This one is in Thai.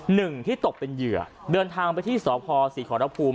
หนึ่งที่ตกเป็นเหยื่อเดินทางไปที่สพศรีขอรภูมิ